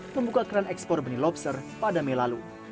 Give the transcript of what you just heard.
membuka keran ekspor benih lobster pada mei lalu